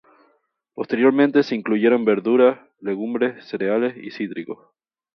Posteriormente se incluyeron verduras, legumbres, cereales y cítricos.